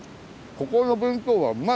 ここの弁当はうまい。